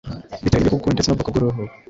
bitewe n’ibihugu ndetse n’ubwoko bw’uruhu